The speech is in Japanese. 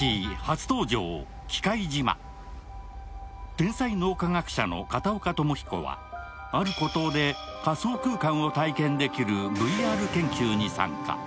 天才脳科学者の片岡友彦はある孤島で仮想空間を体験できるＶＲ研究に参加。